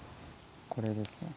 これですね。